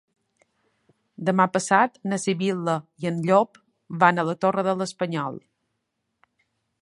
Demà passat na Sibil·la i en Llop van a la Torre de l'Espanyol.